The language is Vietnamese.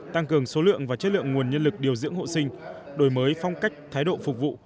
tăng cường số lượng và chất lượng nguồn nhân lực điều dưỡng hộ sinh đổi mới phong cách thái độ phục vụ